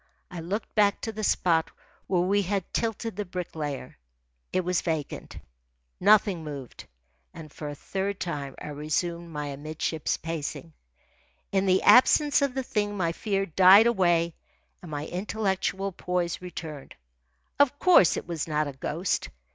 I looked back to the spot where we had tilted the Bricklayer. It was vacant. Nothing moved. And for a third time I resumed my amidships pacing. In the absence of the thing my fear died away and my intellectual poise returned. Of course it was not a ghost.